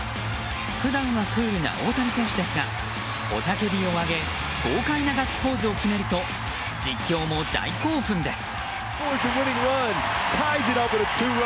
普段はクールな大谷選手ですが雄たけびを上げ豪快なガッツポーズを決めると実況も大興奮です。